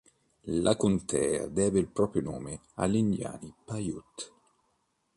La contea deve il proprio nome agli indiani Paiute.